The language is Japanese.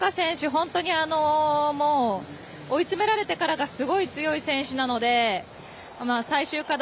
本当にもう追い詰められてからがすごい強い選手なので最終課題、